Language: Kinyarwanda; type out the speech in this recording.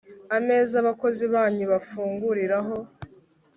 Ameza abakozi banyu bafunguriraho